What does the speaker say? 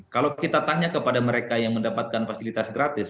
kalau kita tanya kepada mereka yang mendapatkan fasilitas gratis